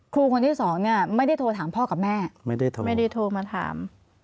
ครูคนที่สองเนี่ยไม่ได้โทรถามพ่อกับแม่ไม่ได้โทรมาถาม